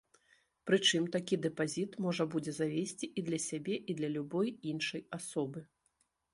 Прычым такі дэпазіт можна будзе завесці і для сябе, і для любой іншай асобы.